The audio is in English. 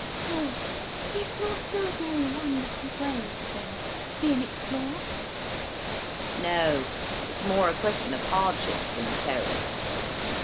"Oh, it's not so very wonderfully brave then, to be an explorer?" "No. It's more a question of hardships than of terrors."